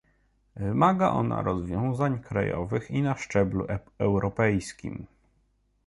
Wymaga ona rozwiązań krajowych i na szczeblu europejskim